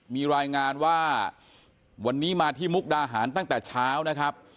มีรายงานว่าวันนี้มาที่มุกดาหารตั้งแต่เช้านะครับ